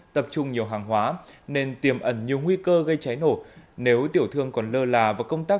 tập trung nhiều hàng hóa nên tiềm ẩn nhiều nguy cơ gây cháy nổ nếu tiểu thương còn lơ là và công tác